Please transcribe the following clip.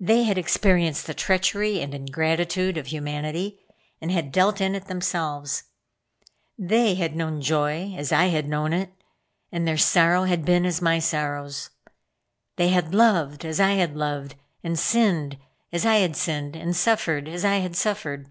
They had experienced the treachery and ingratitude of humanity, and had dealt in it themselves. They had known joy as I had known it, and their sorrow had been as my sorrows. They had loved as I had loved, and sinned as I had sinned, and suffered as I had suffered.